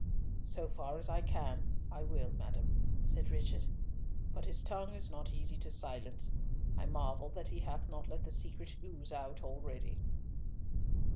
"So far as I can, I will, madam," said Richard, "but his tongue is not easy to silence; I marvel that he hath not let the secret ooze out already."